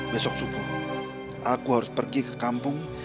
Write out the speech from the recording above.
besok subuh aku harus pergi ke kampung